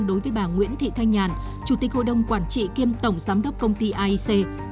đối với bà nguyễn thị thanh nhàn chủ tịch hội đồng quản trị kiêm tổng giám đốc công ty aic